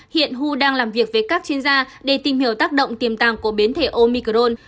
hiện hu đang làm việc với các chuyên gia để tìm hiểu tác động tiềm tàng của biến thể omicron